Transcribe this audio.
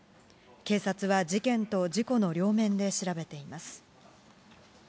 警察は、事件と事故の両面で調べています。